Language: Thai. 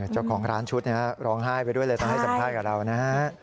เจ้าของร้านชุดร้องไห้ไปด้วยเลยต้องให้จำไพรกับเรานะ